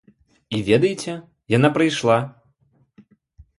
І ведаеце, яна прыйшла!